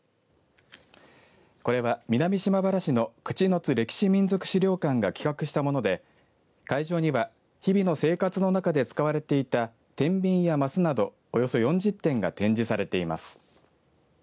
これは南島原市の口之津歴史民俗資料館が企画したもので、会場には日々の生活の中で使われていたてんびんや升などおよそ４０点が展示されています。